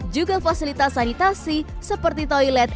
juga fasilitas sanitasi seperti toilet